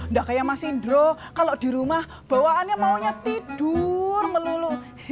nggak kayak mas indro kalau di rumah bawaannya maunya tidur melulu